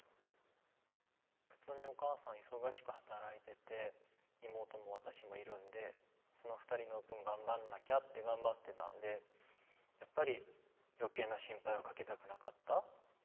普通にお母さん忙しく働いてて妹も私もいるんでその２人の分頑張んなきゃって頑張ってたんでやっぱり余計な心配はかけたくなかった。